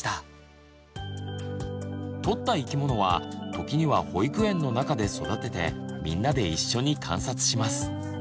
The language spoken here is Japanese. とった生き物は時には保育園の中で育ててみんなで一緒に観察します。